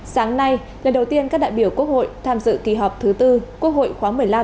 sáng nay lần đầu tiên các đại biểu quốc hội tham dự kỳ họp thứ tư quốc hội khóa một mươi năm